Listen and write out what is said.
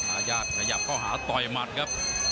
อาญาขยับเข้าหาต่อยหมัดครับ